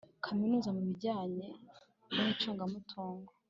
kaminuza mu bijyanye n icyungamutungo